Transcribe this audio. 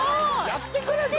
やってくれんの？